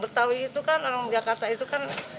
betawi itu kan orang jakarta itu kan